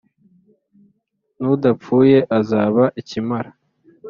n’udapfuye azaba ikimara